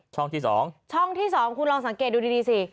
ที่๒ช่องที่๒คุณลองสังเกตดูดีสิ